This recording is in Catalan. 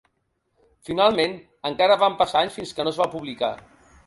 Finalment, encara van passar anys fins que no es va publicar.